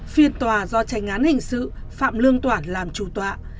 phiền tòa do tranh án hình sự phạm lương toản làm chủ tọa